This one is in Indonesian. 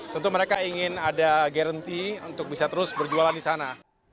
tentu mereka ingin ada garanti untuk bisa terus berjualan di sana